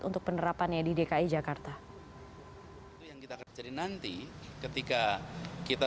untuk penerapannya di dki jakarta